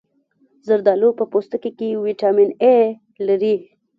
زردالو په پوستکي کې ویټامین A لري.